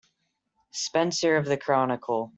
Spencer of the Chronicle.